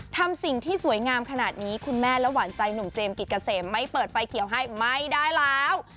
ทำสิ่งที่สวยงามขนาดนี้คุณแม่และหวานใจหนุ่มเจมสกิตเกษมไม่เปิดไฟเขียวให้ไม่ได้แล้ว